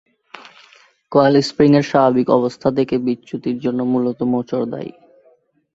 Coil spring এর স্বাভাবিক অবস্থা থেকে বিচ্যুতির জন্য মূলত মোচড় দায়ী।